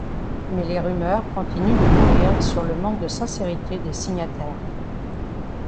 Mais les rumeurs continuent de courir sur le manque de sincérité des signataires.